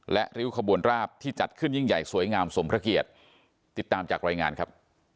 และริ้วขบวนราบที่จัดขึ้นยิ่งใหญ่สวยงามสมพระเกียรติติดตามจากรายงานครับ